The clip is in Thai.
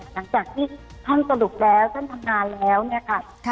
หลังจากที่ท่านสรุปแล้วท่านทำงานแล้วเนี่ยค่ะ